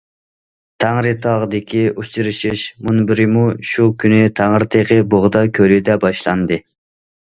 ‹‹ تەڭرىتاغدىكى ئۇچرىشىش›› مۇنبىرىمۇ شۇ كۈنى تەڭرىتېغى بوغدا كۆلىدە باشلاندى.